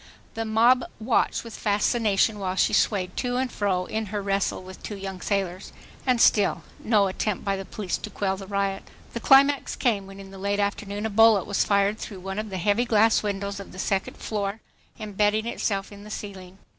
The mob watched with fascination while she swayed to and fro in her wrestle with two young sailors. And still no attempt by the police to quell the riot! The climax came when in the late afternoon a bullet was fired through one of the heavy glass windows of the second floor, embedding itself in the ceiling.